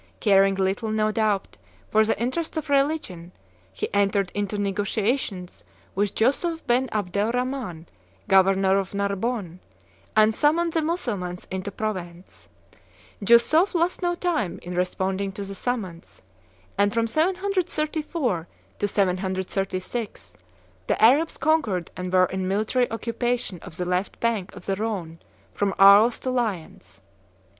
Caring little, no doubt, for the interests of religion, he entered into negotiations with Youssouf ben Abdel Rhaman, governor of Narbonne, and summoned the Mussulmans into Provence. Youssouf lost no time in responding to the summons; and, from 734 to 736, the Arabs conquered and were in military occupation of the left bank of the Rhone from Arles to Lyons.